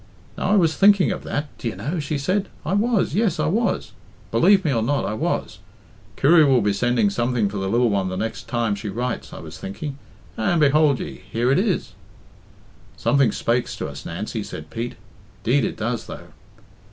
"Now I was thinking of that, d'ye know?" she said. "I was, yes, I was; believe me or not, I was. 'Kirry will be sending something for the lil one the next time she writes,' I was thinking, and behould ye here it is." "Something spakes to us, Nancy," said Pete. "'Deed it does, though."